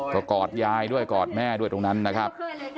ก็กอดยายด้วยกอดแม่ด้วยตรงนั้นนะครับ